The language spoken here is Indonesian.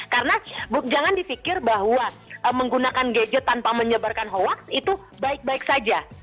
karena jangan di fikir bahwa menggunakan gadget tanpa menyebarkan hoax itu baik baik saja